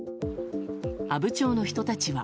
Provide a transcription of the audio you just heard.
阿武町の人たちは。